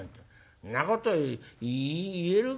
そんなこと言えるかよ。